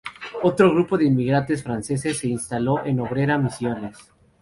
Otro grupo de inmigrantes franceses se instaló en Oberá, Misiones.